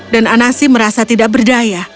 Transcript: dan anansi merasa tidak berdaya